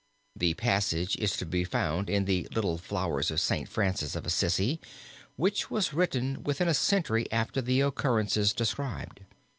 The passage is to be found in the "Little Flowers of St. Francis of Assisi" which was written within a century after the occurrences described.